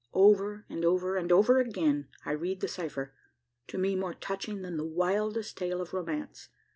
Over, and over, and over again, I read the cipher to me more touching than the wildest tale of romance.